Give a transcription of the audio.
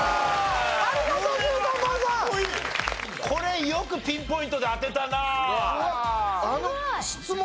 これよくピンポイントで当てたなあ。